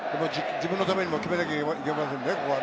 自分のためにも決めなくてはいけませんね。